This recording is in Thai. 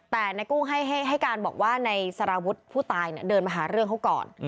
แต่ในกุ้งให้การบอกว่าในสารวุฒิผู้ตายเดินมาหาเรื่องเขาก่อน